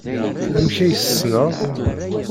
Amek ay t-tessned?